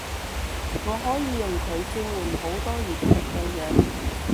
我可以用佢轉換好多粵劇嘅嘢